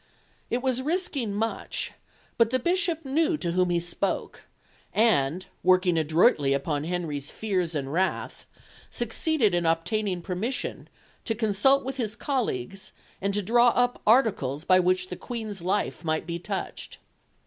It was risking much, but the Bishop knew to whom he spoke, and, working adroitly upon Henry's fears and wrath, succeeded in obtaining permission to consult with his colleagues and to draw up articles by which the Queen's life might be touched.